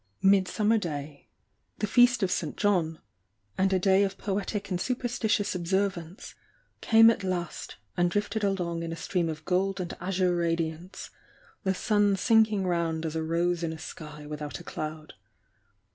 Midsummer Day, the Feast of St. John, and a day of poetic and superstitious observance, came at last and drifted along in a stream of gold and azure radiance, the sun sinking round as a rose in a sky without a cloud.